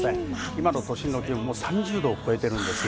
今の都心の気温も３０度を超えてるんですよ。